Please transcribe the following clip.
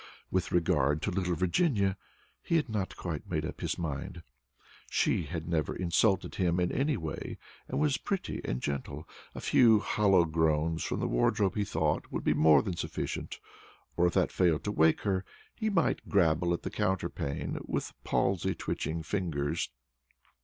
With regard to little Virginia, he had not quite made up his mind. She had never insulted him in any way, and was pretty and gentle. A few hollow groans from the wardrobe, he thought, would be more than sufficient, or, if that failed to wake her, he might grabble at the counterpane with palsy twitching fingers.